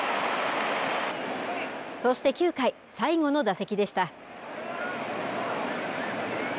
そして９回、最後の打席でした。